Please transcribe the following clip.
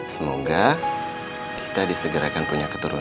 semoga kita disegerakan punya keturunan